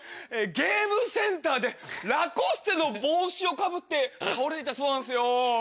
ゲームセンターでラコステの帽子をかぶって倒れていたそうなんですよ。